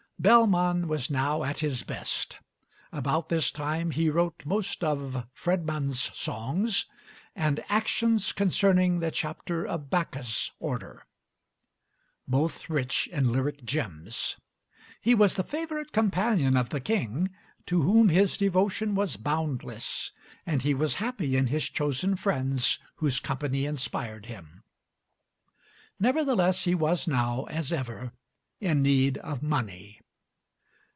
Bellman was now at his best; about this time he wrote most of 'Fredman's Songs' and 'Actions concerning the Chapter of Bacchus order.' both rich in lyric gems; he was the favorite companion of the King, to whom his devotion was boundless, and he was happy in his chosen friends whose company inspired him. Nevertheless he was now, as ever, in need of money.